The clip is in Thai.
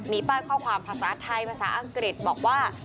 มีป้ายข้อความภาษาไทยภาษาอังกฤษบอกว่า